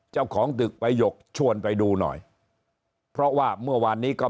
เจ้าของตึกประหยกชวนไปดูหน่อยเพราะว่าเมื่อวานนี้ก็